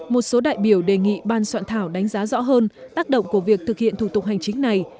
một số đại biểu đề nghị ban soạn thảo đánh giá rõ hơn tác động của việc thực hiện thủ tục hành chính này